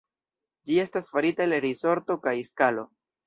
Ĝi estas farita el risorto kaj skalo.